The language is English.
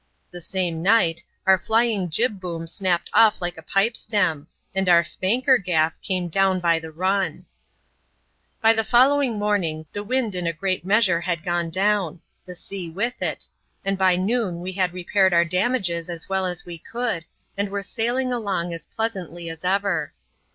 The same night, our flying gib boom snapped off like a pipe stem^ and onr spanker'g&ff came down by the xxm. 60 ADVENTURES IN THE SOUTH SEAS. [chap, xvi By the following morning, the wind in a great measure had gone down ; the sea with it ; and by noon we had repaired our damages as well as we could, and were sailing along as pleasantly as ever.